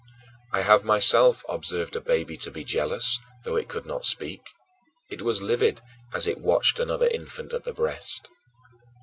I have myself observed a baby to be jealous, though it could not speak; it was livid as it watched another infant at the breast.